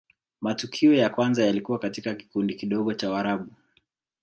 matukio ya kwanza yalikuwa katika kikundi kidogo cha warabu